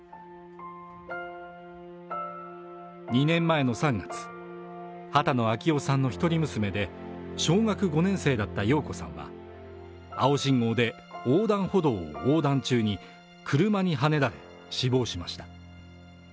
２年前の３月波多野暁生さんの一人娘で小学５年生だった耀子さんは青信号で横断歩道を横断中に車にはねられ死亡しました